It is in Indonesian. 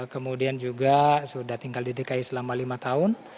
kemudian juga sudah tinggal di dki selama lima tahun